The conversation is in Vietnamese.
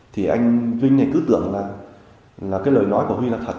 thì anh vinh cứ tưởng là lời nói của huy là thật